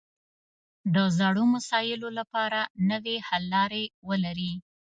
د زړو مسایلو لپاره نوې حل لارې ولري